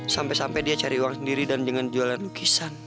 sampai sampai dia cari uang sendiri dan jangan jualan lukisan